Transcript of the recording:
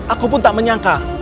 aku pun tak menyangka